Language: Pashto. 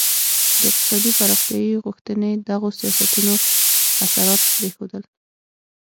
د اقتصادي پراختیايي غوښتنې دغو سیاستونو اثرات پرېښودل.